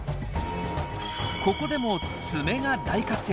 ここでも爪が大活躍！